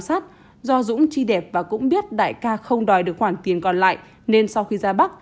sát do dũng chi đẹp và cũng biết đại ca không đòi được khoản tiền còn lại nên sau khi ra bắc